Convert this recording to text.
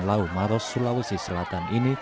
lau maros sulawesi selatan ini